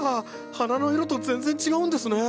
花の色と全然違うんですねえ。